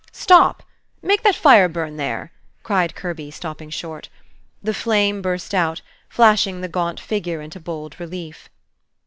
"Stop! Make that fire burn there!" cried Kirby, stopping short. The flame burst out, flashing the gaunt figure into bold relief.